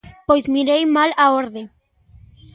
Pois mirei mal a orde.